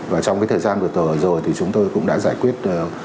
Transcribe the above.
và trong cái thời gian vừa rồi thì chúng tôi cũng đã giải quyết